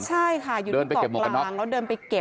ใช่ค่ะอยู่ปากกลางจนเดินไปเก็บ